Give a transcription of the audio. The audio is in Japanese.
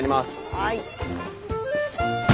はい。